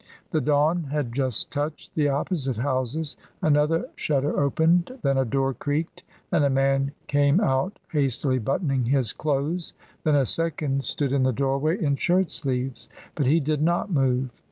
The dawn had just touched the opposite houses, another shutter opened, then a door creaked, and a man came out hastily buttoning his clothes, then a second stood in the doorway in shirt sleeves, but he did not move.